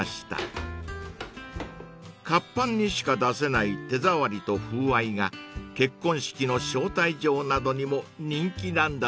［活版にしか出せない手触りと風合いが結婚式の招待状などにも人気なんだとか］